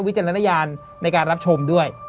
จารณญาณในการรับชมด้วย